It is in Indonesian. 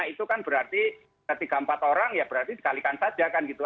itu kan berarti ketiga empat orang ya berarti dikalikan saja kan gitu